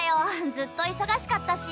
ずっと忙しかったし。